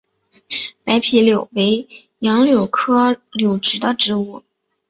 白皮柳为杨柳科柳属的植物。